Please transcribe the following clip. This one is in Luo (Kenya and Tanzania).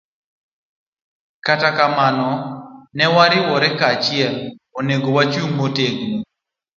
Kata kamano, ka wariwore kanyachiel, onego wachung ' motegno